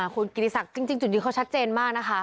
คุณกิติศักดิ์จริงจุดนี้เขาชัดเจนมากนะคะ